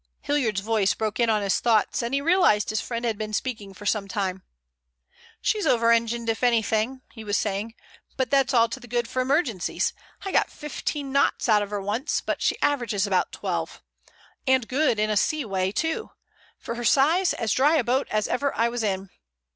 Hilliard's voice broke in on his thoughts, and he realized his friend had been speaking for some time. "She's over engined, if anything," he was saying, "but that's all to the good for emergencies. I got fifteen knots out of her once, but she averages about twelve. And good in a sea way, too. For her size, as dry a boat as ever I was in."